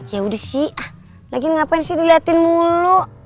yaudah sih lagian ngapain sih diliatin mulu